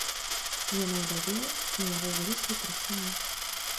Ён аўдавеў, у яго выраслі тры сыны.